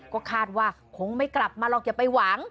ก็คาดว่าคงไม่กลับมาหรอกอย่าไปหวัง